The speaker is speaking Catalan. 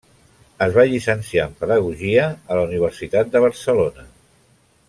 Es va llicenciar en pedagogia a la Universitat de Barcelona.